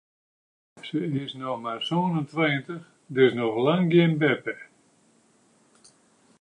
Se is noch mar sân en tweintich, dus noch lang gjin beppe.